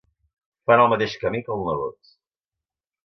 Fan el mateix camí que el nebot.